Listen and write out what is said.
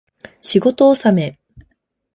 仕事納め